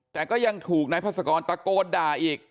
แต่ก็ยังถูกนายพัศกรตะโกนด่าอีก